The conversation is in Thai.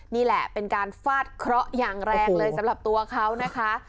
นี่แหละเป็นการฟาดเคราะห์อย่างแรงเลยสำหรับตัวเขานะคะ